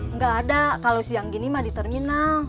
nggak ada kalau siang gini mah di terminal